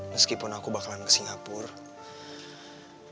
meskipun aku bakalan ke singapura